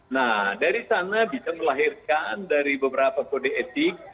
nah dari sana bisa melahirkan dari beberapa kode etik